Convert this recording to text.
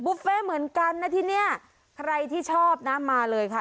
เฟ่เหมือนกันนะที่เนี่ยใครที่ชอบนะมาเลยค่ะ